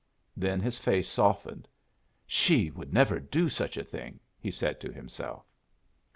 Then his face softened. "She would never do such a thing!" he said, to himself.